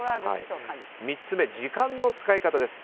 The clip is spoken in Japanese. ３つ目、時間の使い方です。